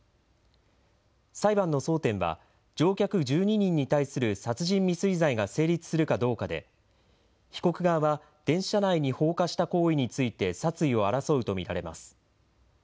裁判の争点は、乗客１２人に対する殺人未遂罪が成立するかどうかで、被告側は、電車内に放火した行為について殺意を争うと見られます。